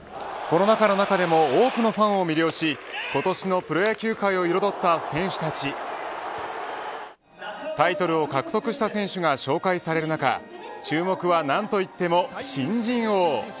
コロナ禍の中でも多くのファンを魅了し今年のプロ野球界を彩った選手たちタイトルを獲得した選手が紹介される中注目は、何といっても新人王。